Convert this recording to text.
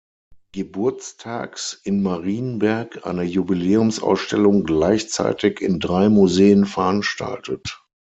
Geburtstags in Marienberg eine Jubiläumsausstellung gleichzeitig in drei Museen veranstaltet.